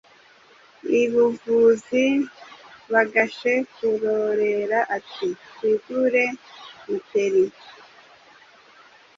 I Bucuzi bagashe kurorera. Ati: twigure Muteri